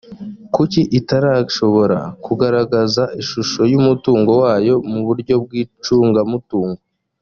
kuko itarashobora kugaragaza ishusho y umutungo wayo mu buryo bw icungamutungo